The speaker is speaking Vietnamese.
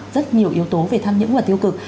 rất nhiều yếu tố về tham nhũng và tiêu cực